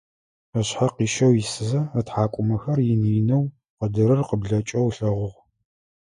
Ышъхьэ къищэу исызэ, ытхьакӀумэхэр ины-инэу къыдырыр къыблэкӀэу ылъэгъугъ.